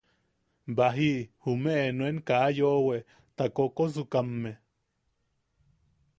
Baji jumeʼe nuen kaa yoʼowe, ta koʼokosukamme.